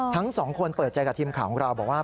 ทั้งสองคนเปิดใจกับทีมข่าวของเราบอกว่า